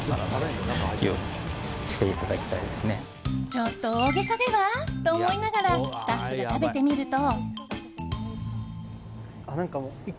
ちょっと大げさでは？と思いながらスタッフが食べてみると。